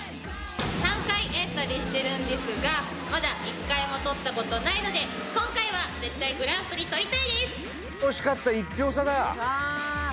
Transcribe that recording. ３回エントリーしてるんですがまだ１回もとったことないので今回は絶対グランプリとりたいです